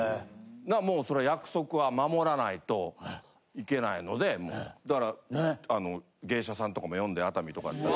もうそれ約束は守らないといけないのでだからあの芸者さんとかも呼んで熱海とかやったら。